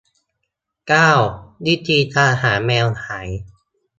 เก้า วิธีตามหาแมวหาย